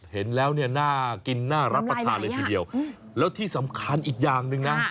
เห็นแล้วเนี่ยน่ากินน่ารับประทานเลยทีเดียวแล้วที่สำคัญอีกอย่างหนึ่งนะ